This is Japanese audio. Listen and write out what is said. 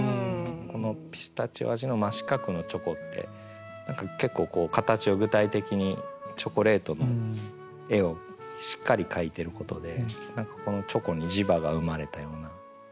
この「ピスタチオ味の真四角のチョコ」って結構形を具体的にチョコレートの絵をしっかり書いてることで何かこのチョコに磁場が生まれたような。